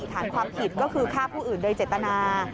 ฐานความผิดก็คือฆ่าผู้อื่นโดยเจตนา